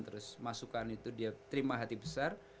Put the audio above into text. terus masukan itu dia terima hati besar